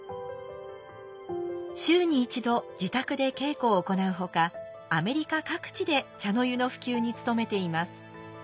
週に一度自宅で稽古を行うほかアメリカ各地で茶の湯の普及に努めています。